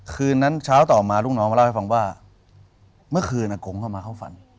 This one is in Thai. คืนนั้นเช้าต่อมาลูกน้องมาเล่าให้ฟังว่าเมื่อคืนกงเข้ามาเข้าฝัน